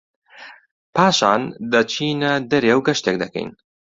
پاشان دەچینە دەرێ و گەشتێک دەکەین